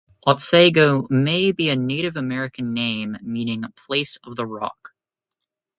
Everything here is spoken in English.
Otsego may be a Native American name meaning "place of the rock".